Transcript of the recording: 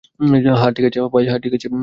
হ্যাঁ, ঠিক আছে ভাই।